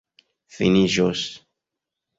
finiĝos